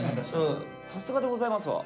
さすがでございますわ。